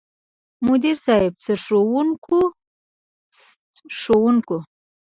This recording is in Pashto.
مدير صيب، سرښوونکو ،ښوونکو،